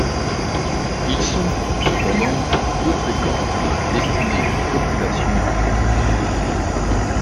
Ils sont, cependant, peu fréquents, et destinés à une population réduite.